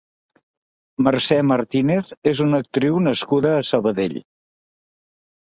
Mercè Martínez és una actriu nascuda a Sabadell.